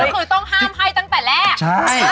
มันเป็นอะไร